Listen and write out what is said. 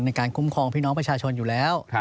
ในการคุ้มครองพี่น้องประชาชนอยู่แล้ว